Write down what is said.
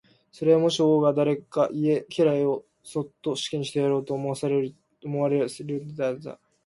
それは、もし王が誰か家来をそっと死刑にしてやろうと思われると、この床の上に、毒の粉をまき散らすように、お命じになります。